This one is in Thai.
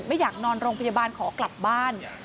ไม่อยากนอนโรงพยาบาลขอกลับบ้าน